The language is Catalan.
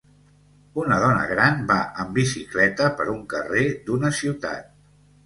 Una dona gran va amb bicicleta per un carrer d'una ciutat.